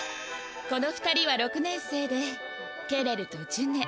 この２人は６年生でケレルとジュネ。